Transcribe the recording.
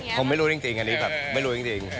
ผมไม่รู้จริงอันนี้แบบไม่รู้จริง